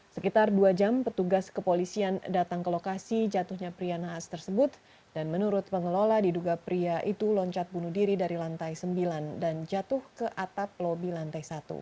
sekitar dua jam petugas kepolisian datang ke lokasi jatuhnya pria naas tersebut dan menurut pengelola diduga pria itu loncat bunuh diri dari lantai sembilan dan jatuh ke atap lobby lantai satu